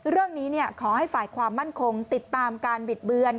เรื่องนี้ขอให้ฝ่ายความมั่นคงติดตามการบิดเบือน